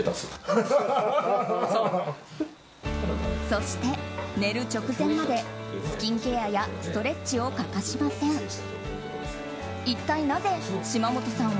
そして寝る直前までスキンケアやストレッチを欠かしません。